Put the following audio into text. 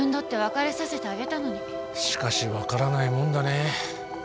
しかし分からないもんだね。